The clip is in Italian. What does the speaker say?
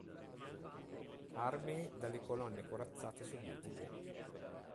Armee, dalle colonne corazzate sovietiche.